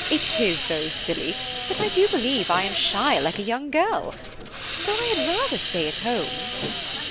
It is very silly; but I do believe I am shy like a young girl; so I had rather stay at home."